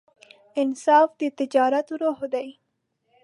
انصاف د تجارت روح دی.